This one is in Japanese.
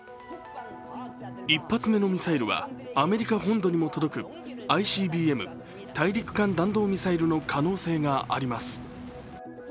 １発目のミサイルはアメリカ本土にも届くＩＣＢＭ＝大陸間弾道ミサイルの可能性があります。